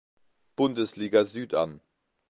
Bundesliga Süd an.